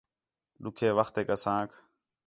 ݙُُِکّھے وختیک اسانک